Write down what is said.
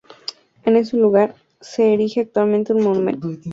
En ese lugar se erige actualmente un monumento.